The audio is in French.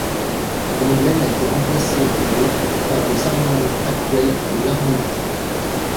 L'emblème a été remplacé le par les armoiries actuelles de l'Arménie.